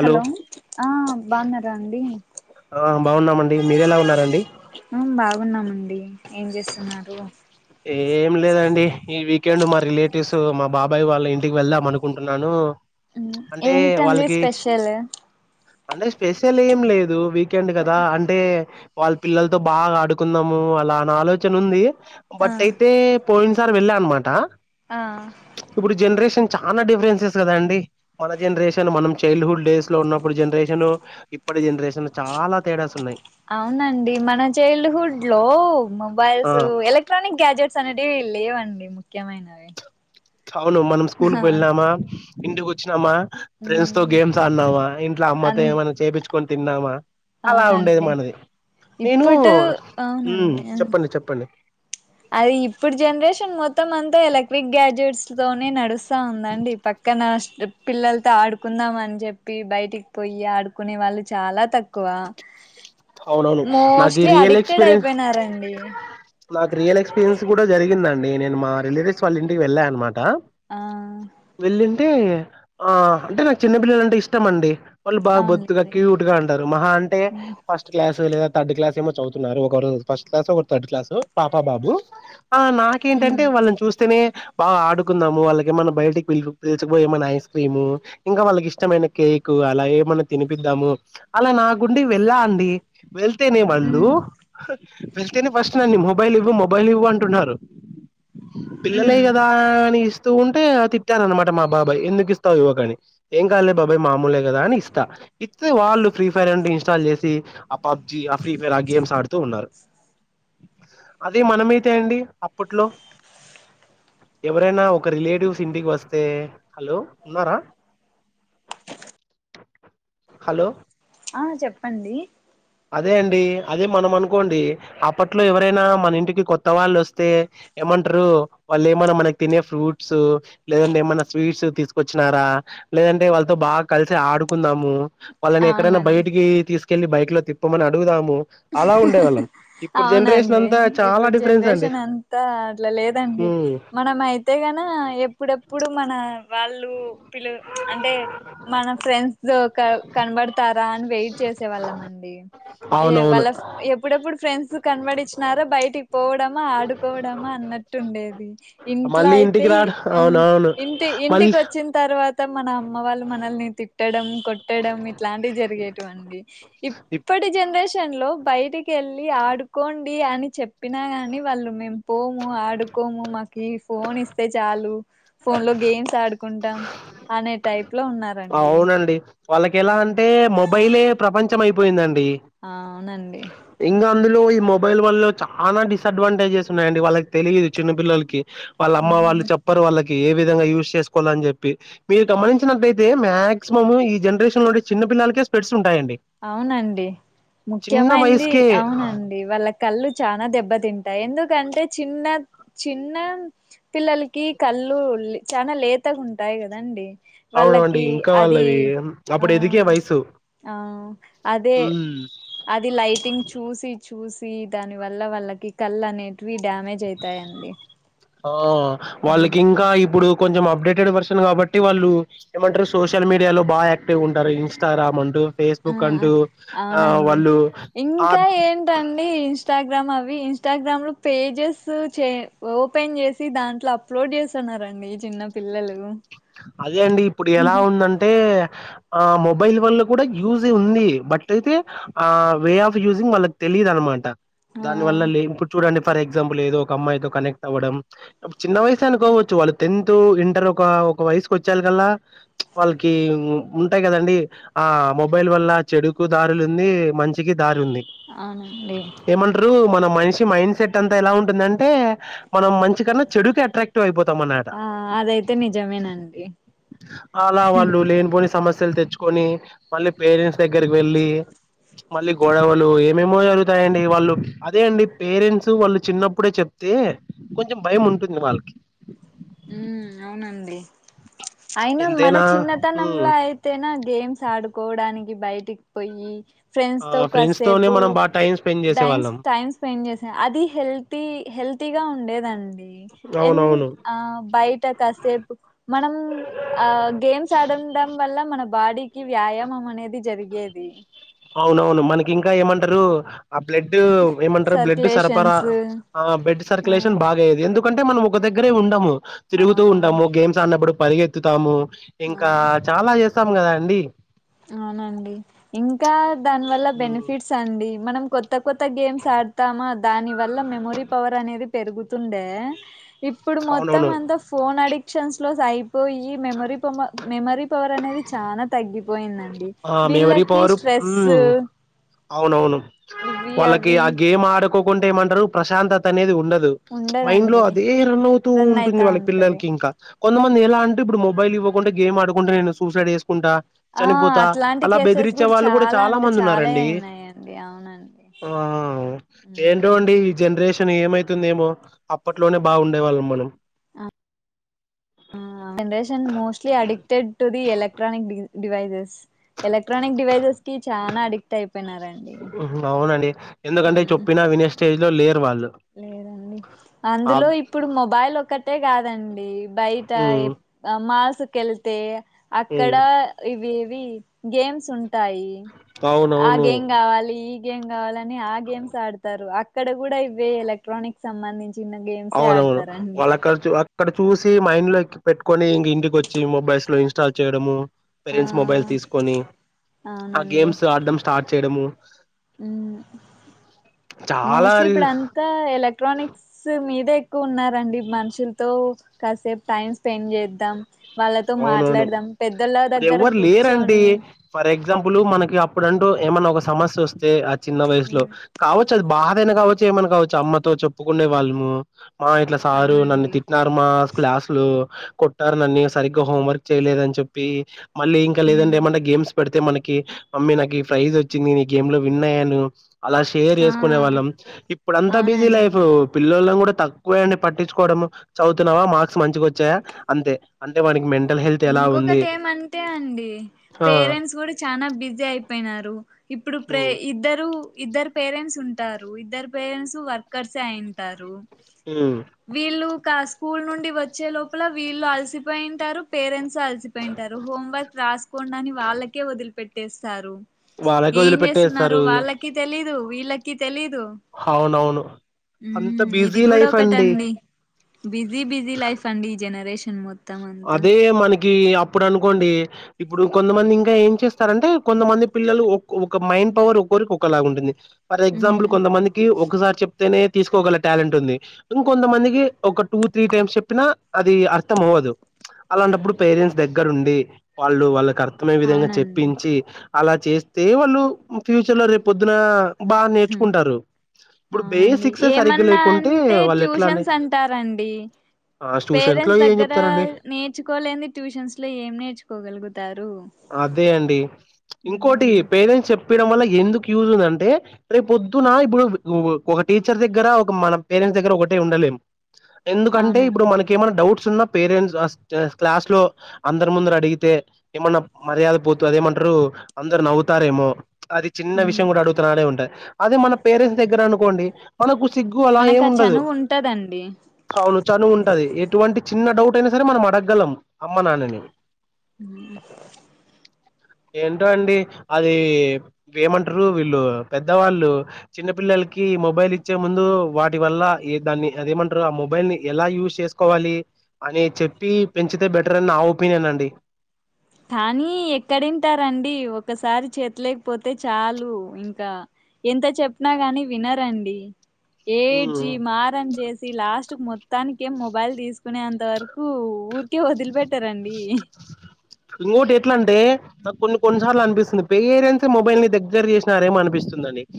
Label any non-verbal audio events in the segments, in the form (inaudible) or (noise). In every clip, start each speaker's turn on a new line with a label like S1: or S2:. S1: Hello ఆ బాగున్నారా అండి
S2: ఆ బాగున్నామండి మీరెలా ఉన్నారండి
S1: ఉ బాగు ఉన్నామండి
S2: ఏం లేదండి ఈ వీకెండ్ మా రిలేట్ వ్స్ మా బాబాయ్ వాళ్ళ ఇంటికి వెళ్దాం అనుకుంటున్నాను అంటే
S1: ఏంటండి
S2: వాళ్ళకి
S1: స్పెషల్
S2: అంటే స్పెషల్ ఏం లేదు వీక్ కెండ్ కదా అంటే వాళ్ళ పిల్లలతో బాగా ఆడుకుందాము అలా అని ఆలోచన చన ఉంది
S1: ఆ
S2: బట్ అయితే పోయిన సారి వెళ్ళానమాట
S1: ఆ
S2: ఇప్పుడు జెనరేషన్ చాలా డిఫరెన్సెస్ కదా అండి మన జనరేషన్ మనం చైల్డ్ హుడ్ డేస్ లో ఉన్నప్పుడు జనరేషన్ ఇప్పటి జనరేషన్ చాలా తేడాస్ ఉన్నాయి
S1: అవునండి మన చైల్డ్ హుడ్ లో మొబైల్స్
S2: ఆ
S1: ఎలెక్ట్రానిక్ గ్యాజెట్ సానెటివి లేవండి ముఖ్యమైనవి
S2: అవును మనం స్కూల్ కు వెళ్ళినామా ఇంటికి వచ్చినామా ఫ్రెండ్స్ తో
S1: ఉమ్
S2: గేమ్స్ ఆడినామా ఇంట్లో అమ్మతో
S1: అన్
S2: ఏమైనా చేపిచ్ కొని తిన్నామా అలా ఉండేది
S1: అవునండి
S2: మనది నేను
S1: ఇప్పుడు అవునండి అది ఇప్పుడు జనరేషన్ మొత్తం అంతా ఎలక్ట్రిక్ గ్యాడ్జెట్స్ తోనే నడుస్ స్తా ఉందండి పక్కన పిల్లలతో ఆడుకుందాం అని చెప్పి బయటికి పోయి ఆడుకునే వాళ్ళు చాలా తక్కువ
S2: అవునవును నాకు ఈ
S1: మోస్ట్లీ
S2: రియల్
S1: అడిక్టెడ్
S2: ఎక్స్పీరియన్స్
S1: అయిపోయినారండి
S2: నాకు రియల్ ఎక్స్పీరియన్స్ కూడా జరిగిందండి నేను మా రిలేటివ్స్ వాళ్ళ ఇంటికి వెళ్ళానమాట ట
S1: ఆ
S2: వెళ్ళిన్ అంటే ఆ అంటే నాకు చిన్నపిల్లలంటే ఇష్టమండి వాళ్ళు బాగా బొత్తుగా
S1: అవునులేండి
S2: క్యూట్గా ఉండారు మహా అంటే
S1: ఉమ్
S2: ఫస్ట్ క్లాస్ లేదా థర్డ్ క్లాస్ ఏమో చవుతున్నారు ఒకరు ఫస్ట్ క్లాస్ ఒకరు థర్డ్ క్లాస్ పాప బాబు ఆ
S1: ఉమ్
S2: నాకేంటంటే వాళ్ళని చూస్తేనే బాగా ఆడుకుందాము వాళ్ళకి ఏమైనా బయటికి పిలి పిలిచిపోయి ఏమైనా ఐస్ క్రీము ఇంకా వాళ్ళకి ఇష్టమైన కేక్ అలా ఏమన్నా తినిపిద్దాము అలా నా గుండి వెళ్ళ డి వెళ్తేనే వాళ్ళు
S1: ఉమ్
S2: వెళ్తేనే ఫస్ట్ నన్ని మొబైల్ ఇవ్వు మొబైల్ ఇవ్వు అంటున్నారు పిల్లలే
S1: ఉమ్
S2: కదా అని ఇస్ తూ ఉంటే తిట్టారనమాట మా బాబాయ్ ఎందుకు ఇస్తావు యువకని ఏం కాలే బాబాయ్ మామూలే కదా అని ఇస్తా ఇస్తే వాళ్ళు ఫ్రీ ఫైర్ అంటో ఇన్స్టాల్ చేసి ఆ పబ్జి ఆ ఫ్రీ ఫైర్ ఆ గేమ్స్ ఆడుతూ ఉన్నారు అదే మనమైతే అండి అప్పట్లో ఎవరైనా ఒక రిలేటివ్స్ ఇంటికి వస్తే హలో ఉన్నారా హలో
S1: ఆ చెప్పండి
S2: అదే అండి అదే మనం అనుకోండి అప్పట్లో ఎవరైనా మన ఇంటికి కొత్త వాళ్ళు వస్తే ఏమంటారు వాళ్ళు ఏమైన్నా మనకి తినే ఫ్రూట్స్ లేదంటే ఏమైన్నా స్వీట్స్ తీసు వచ్చినారా లేదంటే వాళ్ళతో బాగా కలిసి ఆడుకుందాము వాళ్ళని ఎక్కడైనా
S1: అవునండి
S2: బయటికి తీసుకు చెల్లి బైక్లో తిప్ పొమ్మని అడుగుదాము ఇప్పుడు జనరేషన్
S1: అవునండి
S2: అంతా చాలా
S1: ఇప్పుటి
S2: డిఫరెన్స్ అండి
S1: జనరేషన్ అంతా అట్లా లేదండి
S2: ఉమ్
S1: మనం అయితే కన ఎప్పుడెప్పుడు మన వాళ్ళు పిలవ అంటే మన ఫ్రెండ్స్తో కనబడుత తారా అని వెయిట్ చేసే వాళ్ళం అండి ఏ
S2: అవునవును
S1: వాళ్ళ ఎప్పుడెప్పుడు ఫ్రెండ్స్ కనబడించినారా బయటికి పోవడమా ఆడుకోవడమా అన్నట్టు ఉండేది ఇంట్లో
S2: మళ్ళీ
S1: అయితే
S2: ఇంటికి రాడు
S1: ఆ
S2: అవునవును
S1: ఇంటి
S2: మళ్ళీ
S1: ఇంటికి వచ్చిన తర్వాత తం మన అమ్మ వాళ్ళు మనల్ని తిట్టడం కొట్టడం ఇట్లాంటివి జరిగేటువండి
S2: ఇప్
S1: ఇప్పటి జనరేషన్ లో బయటిక్ యేళ్ళి ఆడుకొన్ పి అని చెప్పినా గాని వాళ్ళు మేం పోము ఆడుకోము మాక్ ఈ ఫోన్ ఇస్తే చాలు ఫోన్ లో గేమ్స్ ఆడుకుంటాం అనే టైప్ లో ఉన్నారండి
S2: అవునండి వాళ్ళకి ఎలా అంటే మొబైలే ప్రపంచం అయిపోయిందన్
S1: ఆ అవునండి
S2: లో ఈ మొబైల్ వల్ల చాలా డిస్ అడ్వాంటేజెస్ ఉన్నాయండి వాళ్ళకి తెలియదు చిన్న పిల్లలకి. వాళ్ళ అమ్మ వాళ్ళు చెప్పరు వాళ్ళకి. ఏ విధంగా యూజ్ చేసుకోవాల అని చెప్పి మీరు గమనించినటైతే తే మాక్సిమమ్ ఈ జనరేషన్ లో ఉండే చిన్న పిల్లకే స్ప్రెడ్.
S1: అవునండి
S2: చిన్న
S1: ముఖ్యమైంది
S2: వయసుకే
S1: అవునండి వాళ్ళ కళ్ళు చాలా దెబ్బ తింటాయి ఎందుకంటే చిన్న చిన్న పిల్లలకి కళ్ళు చాలా లేతగా ఉంటాయి కదండి.
S2: అవును అండి
S1: వాళ్ళకి
S2: ఇంకా
S1: అది
S2: వాళ్ళవి
S1: ఆ
S2: అప్పుడు ఎదిగే వయసు.
S1: ఆ అదే
S2: ఉమ్,
S1: అది లైటింగ్ చూసి చూ చూసి దాని వల్ల వాళ్ళకి కళ్ళనేటివి డ్యామేజ్ అయితాయండి
S2: ఆ వాళ్ళకి ఇంకా ఇప్పుడు. కొంచం అప్డేటెడ్ వర్షన్ కాబట్టి వాళ్ళు ఏమంటారు సోషల్ మీడియా లో బాగా యాక్టివ్ ఉంటారు ఇన్స్టాగ్రామ్ అంటూ. ఫేస్బుక్
S1: మ్మ్
S2: అంటూ ఆ
S1: అవునండి
S2: వాళ్ళు ఆ.
S1: గ్రమ్ అవి ఇన్స్టాగ్రామ్ లో పేజెస్ చె ఓపెన్ చేసి దాంట్లో అప్లోడ్ చేస్తున్నారండి చిన్న పిల్లలు.
S2: అదే అండి ఇప్పుడు ఎలా ఉందంటే. ఆ మొబైల్ వల్ల కూడా యూజ్ ఉంది. బట్ అయితే ఆ వే ఆఫ్ యూజింగ్ వాళ్ళకు తెలీదు అనమాట.
S1: ఆ
S2: దాని వల్ల లేని ఇప్పుడు చూడండి. ఫర్ ఎగ్జాంపుల్ ఏదో ఒక అమ్మాయితో కనెక్ట్ అవ్వడం. చిన్న వయసు అనుకోవచ్చు. వాళ్ళు టెన్త్ ఇంటర్ ఒక. ఒక వయసుకు వచ్చేలా కల్లా వాళ్ళకి ఉంటాయి. కదండి. ఆ మొబైల్ వల్ల చెడుకు దారులు ఉంది. మంచికి. దారి ఉంది
S1: అవునండి
S2: ఏమంటరు. మన మనిషి మైండ్ సెట్ అంతా ఎలా ఉంటుందంటే, మనం మంచి కన్నా చెడుకి అట్రాక్టివ్ అయిపోతుం
S1: ఆ అదైతే నిజం
S2: అలా వాళ్ళు లేనిపోని సమస్ లు తెచ్చుకొని మళ్ళీ పేరెంట్స్ దగ్గరకి వెళ్ళి, మళ్ళీ గొడవలు ఏమేమో జరుగుతాయండి. వాళ్ళు అదే అండి పేరెంట్స్ వాళ్ళు చిన్నప్పుడే చెప్తే కొంచం భయం ఉంటుంది వాళ్ళకి.
S1: హ్మ్ అవునండి. అయినా మన
S2: ఎంతైనా ఉమ్
S1: చిన్నతనంలో అయితేనా. గేమ్స్ ఆడుకోవడానికి బయటికి పోయి. ఫ్రెండ్స్
S2: ఆ
S1: తో
S2: ఫ్రెండ్స్ తోనే
S1: కాసేపు
S2: మనం బాగా టైం స్పెండ్ చేసే
S1: టైమ్
S2: వాళ్ళం
S1: టైమ్ స్పెండ్ చేసా అది హెల్తీ హెల్తీగా ఉండేది. రండి. ఎన్.
S2: అవునవును
S1: ఆ బయట కాసేపు మనం ఆ గేమ్స్ ఆడడం వల్ల మనం. బాడీకి వ్యాయామం అనేది జరిగేది.
S2: అవునవును మనకి ఇంకా ఏమంటారు. ఆ బ్లడ్ ఏమంటరు బ్లడ్ సరఫరా
S1: సర్క్యులేషన్స్
S2: ఆ బ్లడ్
S1: ఆ
S2: సర్క్యులేషన్ బాగా అయ్యది ఎందుకు. కంటే మనం ఒక దగ్గరే ఉండము.
S1: ఆ
S2: తిరుగుతూ ఉంటాము గేమ్స్ ఆన్నప్పుడు పరిగెత్తుతాము. ఇంకా
S1: ఆ
S2: చాలా చేస్ ఇస్తాం కదా అండి.
S1: అవునండి. ఇంకా దాని వల్ల
S2: ఉమ్
S1: బెనిఫిట్స్ అండి. మనం కొత్ కొత్త కొత్త గేమ్స్ ఆడతామా దాని వల్ల మెమొరీ పవర్ అనేది పెరుగుతుండే ఇప్పుడు మొత్తం
S2: అవునవును
S1: అంతా ఫోన్ అడిక్ట్ ఎలక్షన్స్ లో టై ఇ ఈ మెమీరి పోమో మెమరి పవర్ అనేది చానా తగ్గి
S2: ఆ మెమరీ పవరు హు అవునవును
S1: ఇవి
S2: వాళ్ళకి
S1: అవి
S2: ఆ గేమ్ ఆడకు కుంటే ఏమంటారు ప్రశాంతత అనేది ఉండదు మైండ్ లో
S1: ఉండదండి
S2: అదే రన్ అవుతూ
S1: రన్
S2: ఉంటుంది
S1: అయితా
S2: వాళ్ళ
S1: ఉంటది
S2: పిల్లలకి ఇంకా కొంతమంది ఎలా అంటే ఇడు మొబైల్ ఇవ్వకుండా గేమ్ ఆడుకుంటే నేను సూసైడ్ చేసుకుంటా
S1: ఆ
S2: చనిపోతా
S1: అట్లాంటి
S2: అలా
S1: కేసెస్
S2: బెదిరించే వాళ్ళు కూడా చాలా
S1: అంటే
S2: మంది ఉన్నారండి.
S1: అయినాయండి అవునండి
S2: ఆ ఏంటో
S1: హ్మ్.
S2: అండి ఈ జనరేషన్ ఏమైతుందేమో అప్పట్లోనే బాగుండే వాళ్ళం మనం
S1: హు generation mostly addicted to the electronic devices electronic డివైసెస్కి చాలా అడిక్ట్ అయిపోయినారండి
S2: ఉహు,
S1: హు
S2: స్టేజ లో లేరు వాళ్ళు
S1: లేదండి
S2: ఆ
S1: అందులో ఇప్పుడు మొబైల్ ఒకటి అంతే కాదండి బయట
S2: మ్మ్
S1: ఆ మాస్ కెళ్తే అక్కడ
S2: మ్మ్
S1: ఇవి ఇవి గేమ్స్ ఉంటాయి ఆ
S2: అవునవును
S1: గేమ్ కావాలి గేమ్ కావాలని ఆ గేమ్స్ ఆడతారు అక్కడ కూడా ఇ ే ఎలక్ట్రానిక్స్ సంబంధించి చిన్న గేమ్సే ఆడతారండి
S2: ఆక్కడ చూసి మైండ్ లో పెట్టుకొని ఇంక ఇంటికి వచ్చి మొబైల్స్ లో ఇన్స్టాల్ చేయడము
S1: ఆ
S2: పేరెంట్స్ మొబైల్ తీసుకొని ఆ గేమ్స్ ఆడ్డం స్టార్ట్ చేయడము
S1: హు
S2: చాలా
S1: మోస్ట్లీ
S2: రి
S1: ఇప్పుడ అంతా ఎలక్ట్రానిక్స్ మీదే కు ఉన్నా రండి మనుషులతో కాసేపు టైం స్పెండ్ చేద్దాం వాళ్ళతో
S2: అవునవును
S1: మాట్లాడదాం పెద్దోళ్ళ
S2: ఇప్పుడు
S1: దగ్గర
S2: ఎవరు లేరండి
S1: కూర్చొని
S2: ఫర్ ఎగ్జాంపుల్ మనకి అప్పుడంటూ ఏమన్నా ఒక సమస్య వస్తే చిన్న వయసులో
S1: మ్మ్
S2: కావచ్చు చ్చ అది బాధైన కావచ్చు ఏమన్నా కావచ్చు అమ్మతో చెప్పుకునే వాళ్ళము మా ఇట్లా సారు నన్ను
S1: అవునండి
S2: తిట్టినారు మా క్లాసులు కొట్టారు నన్నీ సరిగ్గా హోంవర్క్ చేయలేదని చెప్పి మళ్ళీ ఇంకా లేదంటే
S1: మ్మ్
S2: ఏమన్నా గేమ్స్ పెడితే మనకి మమ్మీ నాకు ఈ ప్రైజ్ వచ్చింది ఈ గేమ్ లో విన్ అయ్యాను అలా షేర్
S1: ఆ
S2: చేసుకునే వాళ్ళం ఇప్పుడంతా బిజీ
S1: అవునండి
S2: లైఫ్ పిల్లోల తక్కువే అండి పట్టించుకోవడం చదువుతున్నావా మార్క్స్ మంచిగా వచ్చాయా అంతే అంటే మనకి మెం
S1: ఇంకొకటి ఏమంటే అండి
S2: ఆ
S1: పేరెంట్స్ కూడా చానా బిజీ అయిపోయినారు ఇప్పుడు ప్రే
S2: ఉమ్
S1: ఇద్దరు ఇద్దరు పేరెంట్స్ ఉంటారు ఇద్దరు పేరెంట్స్ వర్కర్స్ ఏ అయింటారు
S2: ఉమ్.
S1: వీళ్ళు స్కూల్ నుండి వచ్చే లోపల వీళ్ళు అలసిపోయింటారు పేరెంట్స్ అల్సిపోయింటారు హోం వర్క్ రాసుకోండని వాళ్ళకే వదిలిపెట్ తెస్తారు
S2: వాళ్ళకి
S1: ఏం చేస్తున్నారొ
S2: వదిలిపెట్టేస్తారు
S1: వాళ్ళకి తెలీదు వీల్లకి తెలి
S2: అవునవును
S1: ఊ
S2: అంత
S1: ఇది
S2: బిజీ
S1: కూడా
S2: లైఫ్ అండి
S1: ఒకటండి బిజి బిజీ లైఫ్ అండి ఈ జనరేషన్ సషన్ముత్ (unintelligible)
S2: అదే మనకి అప్పుడు అనుకోండి ఇప్పుడు కొంతమంది ఇంకా ఏం చేస్తారంటే కొంతమంది పిల్లలు ఒకో ఒక మైండ్ పవర్ ఒకొరికి ఒకలాగా ఉంటుంది ఫర్ ఎగ్జాంపుల్
S1: ఉమ్
S2: కొంతమందికి ఒకసారి చెప్ నే తీసుకోగల టాలెంట్ ఉంది ఇంకొంతమందికి ఒక టూ త్రీ టైమ్స్ చెప్పినా అది అర్థం అవ్వదు అలాంటప్పుడు పేరెంట్స్ దగ్గర ఉండి వాళ్ళు వాళ్ళ కర్ అర్ధమయ్యే విధంగా
S1: అవునండి
S2: చెప్పించి అలా చేస్తే వాళ్ళు ఫ్యూచర్ లో రేపు పొద్దున బాగా
S1: హ్
S2: నేర్చుకుంటారు ఇప్పుడు
S1: అవునండి
S2: బేసిక్సే సరిగ్గా
S1: ఏమన్నా
S2: లేకుంటే
S1: అంటే
S2: వాళ్ళు ఎట్లా అండి
S1: ట్యూషన్స్ అంటారండి
S2: ఆ ట్యూషన్స్ లో
S1: పేరెంట్స్
S2: ఏం
S1: దగ్గర
S2: చెప్తారండి
S1: నే నేర్చుకోలేనిది ట్యూషన్స్ లో ఏం నేర్చుకోగలుగుతారు.
S2: అదే అండి
S1: ఊ
S2: ఇంకోటి పేరెంట్స్ చెప్పడం వల్ల ఎందుకు యూజ్ ఉందంటే రేపు పొద్దున ఇప్పుడు ఒక టీచర్ దగ్గర ఒక మన పేరెంట్స్ దగ్గర ఒకటే ఉండలేం ఎందుకంటే ఇప్పుడు
S1: అవునండి
S2: మనకి ఏమైనా డౌట్స్ ఉన్నా పేరెంట్స్ క్లాస్ లో అందరి ముందర అడిగితే ఏమన్నా మర్యాద పోత అదేమంటారు అందరు నవ్వుతారేమో అది చిన్న
S1: మ్మ్
S2: విషయం కూడా అడుగుతున్నాడనే ఉంటాయి అదే మన పేరెంట్స్ దగ్గర అనుకోండి మనకు సిగ్గు అలా
S1: మనకు
S2: ఏమి
S1: ఆ
S2: ఉండదు
S1: చనువు ఉంటదండి
S2: అవును చనువు ఉంటది ఎటువంటి చిన్న డౌట్ అయినా సరే మనం అడగ గలం అమ్మ, నాన్నని.
S1: హ్
S2: ఏంటో అండి, అది ఏమంటరు వీళ్ళు పెద్దవాళ్ళు చిన్న పిల్లలకి మొబైల్ ఇచ్చే ముందు వాటి వల్ల ఏ దాన్ని అదేమంటారు ఆ మొబైల్ ని ఎలా యూస్ చేసుకోవాలి అని చెప్పి పెంచితే బెటర్ అని నా ఒపీనియన్ అండి.
S1: కానీ ఎక్కడింటారండి ఒకసారి చేతిలకిపోతే చాలు ఇంకా ఎంత చెప్పినా గానీ వినరండి.
S2: ఉమ్.
S1: ఏడ్చి మారం చేసి లాస్ట్ మొత్తానికే మొబైల్ తీసు కునే అంతవరకు ఊరు కివదిలి పెట్టరం అండి.
S2: ఇంకోటి ఎట్లా అంటే నాకు కొన్ని కొన్నిసార్లు అనిపిస్తుంది. పేరెంట్స్ మొబైల్ ని దగ్గర చేసినారేమో అనిపిస్తు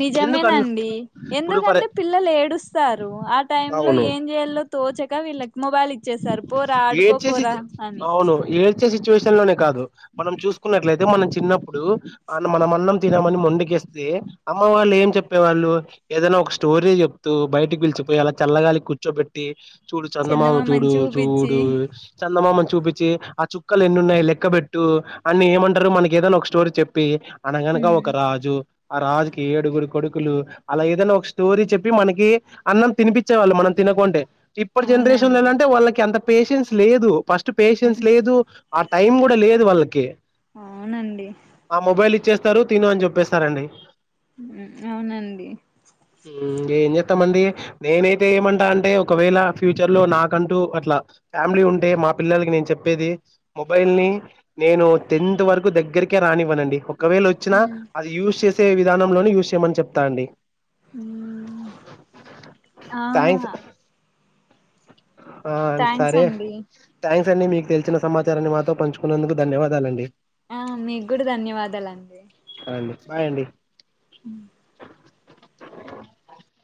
S1: నిజమేనండి
S2: ఇప్పుడు ఫర్
S1: ఎందుకంటే పిల్లలు ఏడుస్తారు ఆ టైం లో ఏం చేయాలో తోచక వీళ్ళకి మొబైల్ ఇచ్చేసారు పోరా ఆడుకో
S2: ఏడ్చే సి
S1: పోరా అని
S2: అవును ఏడ్చే సిచ్యువేషన్ లోనే కాదు. మనం చూసుకున్నట్లయితే మనం చిన్నప్పుడు మనం అన్నం తినమని మొండికెస్తే అమ్మ వాళ్ళు ఏం చెప్పేవాళ్ళు ఏదైనా ఒక స్టోరీ చెప్తూ బయటకి పిలిచకపోయి అలా చల్లగాలికి కూర్చోబెట్టి చూడు చందమామ
S1: చందమామని
S2: చూడు
S1: చూపించి
S2: చూడు చ చందమామని చూపించి ఆ చుక్కలు ఎన్ని ఉన్నయి లెక్కబెట్టు అని ఏమంటరు మనకి ఏదన్నా ఒక స్టోరీ చెప్పి అనగనగా
S1: మ్మ్
S2: ఒక రాజు ఆ రాజుకీ ఏడుగురు కొడుకులు, అలా ఏదైనా ఒక స్టోరీ చెప్పి మనకి అన్నం తినిపించేవాళ్ళు మనం తినకుంటే. ఇప్పటి జనరేషన్ లో
S1: అవునండి
S2: ఎలా వాళ్ళకి అంత పేషెన్స్ లేదు ఫస్ట్ పేషెన్స్
S1: మ్మ్
S2: లేదు అ టైం కూడా లేదు వాళ్ళకి.
S1: అవునండి.
S2: చ్చేస్తరు తిను అని చెప్పేస్తారండి.
S1: హ్ అవునండి.
S2: హ్ ఏం చెత్తమండి నేనైతే ఏమంటా అంటే ఒకవేళ ఫ్యూచర్ లో నాకు అంటూ అట్లా ఫ్యామిలీ ఉంటే మా పిల్లలకి నేను చెప్పేది మొబైల్ ని నేను టెన్త్ వరకు దగ్గరికే రానివ్వనండి. ఒకవేళ వచ్చినా అది యూజ్ చేస్ యి విధానంలోనే యూస్ చేయమని చెప్తా అండి.
S1: హ్ ఆ
S2: థ్యాంక్స్. ఆ
S1: థ్యాంక్స్
S2: సరే
S1: అండి
S2: థ్యాంక్స్ స్ మీకు తెలిసిన సమాచారాన్ని మాతో పంచుకున్నందుకు ధన్యవాదాలండి
S1: ఆ మీకు కూడా ధన్యవాదాలండి
S2: డి బాయ్ అండి
S1: హ